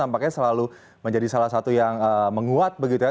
nampaknya selalu menjadi salah satu yang menguat begitu ya